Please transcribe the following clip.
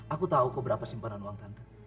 aku tahu keberapa simpanan uang kanker